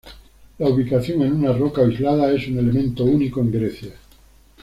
La ubicación en una roca aislada es un elemento único en Grecia.